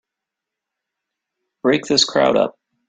Break this crowd up!